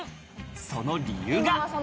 その理由が。